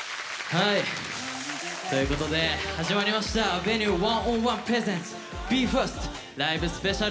はいということで始まりました「Ｖｅｎｕｅ１０１ＰｒｅｓｅｎｔｓＢＥ：ＦＩＲＳＴＬＩＶＥＳＰＥＣＩＡＬ」。